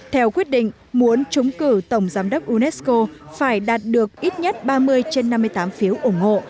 theo quyết định muốn trúng cử tổng giám đốc unesco phải đạt được ít nhất ba mươi trên năm mươi tám phiếu ủng hộ